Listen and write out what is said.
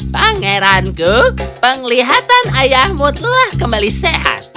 pangeranku penglihatan ayahmu telah kembali sehat